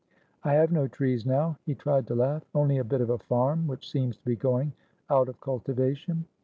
"I have no trees now." He tried to laugh. "Only a bit of a farm, which seems to be going out of cultivation."